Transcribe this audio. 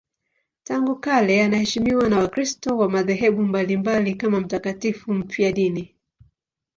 Tangu kale anaheshimiwa na Wakristo wa madhehebu mbalimbali kama mtakatifu mfiadini.